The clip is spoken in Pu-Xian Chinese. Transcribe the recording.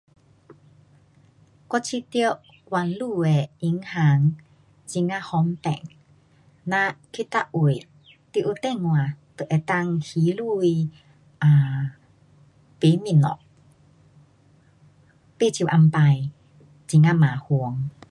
我觉得网路的银行很呀方便，咱去每位，你有电话都能够还钱 um 买东西，不像以前，很呀麻烦。